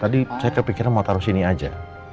tadi saya kepikiran mau taruh sini aja